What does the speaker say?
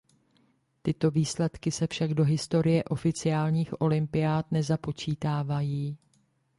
Tyto výsledky se však do historie oficiálních olympiád nezapočítávají.